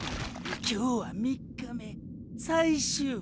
今日は３日目最終日。